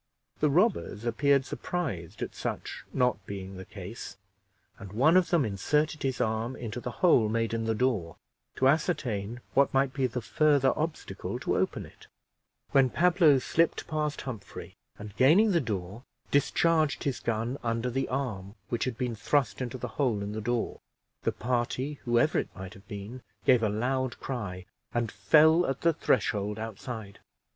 The robbers appeared surprised at such not being the case, and one of them inserted his arm into the hole made in the door, to ascertain what might be the further obstacle to open it, when Pablo slipped past Humphrey, and gaining the door, discharged his gun under the arm which had been thrust into the hole in the door. The party, whoever it might have been, gave a loud cry, and fell at the threshold outside.